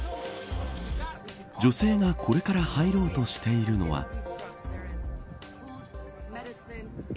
女性がこれから入ろうとしているのは。